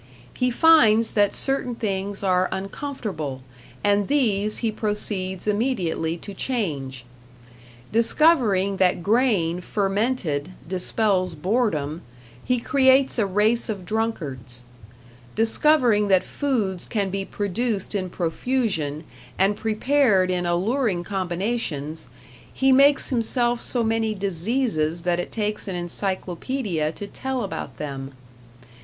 He finds that certain things are uncomfortable, and these he proceeds immediately to change. Discovering that grain fermented dispels boredom, he creates a race of drunkards; discovering that foods can be produced in profusion, and prepared in alluring combinations, he makes himself so many diseases that it takes an encyclopedia to tell about them.